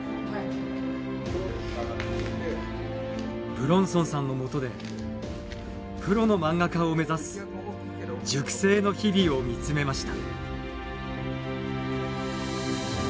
武論尊さんのもとでプロの漫画家を目指す塾生の日々を見つめました。